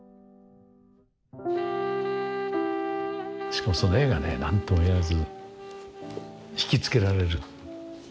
しかもその絵がね何とも言えず引き付けられる。